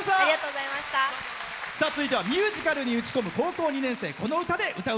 続いてはミュージカルに打ち込む高校２年生。